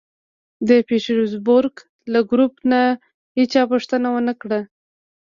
د پېټرزبورګ له ګروپ نه هېچا پوښتنه و نه کړه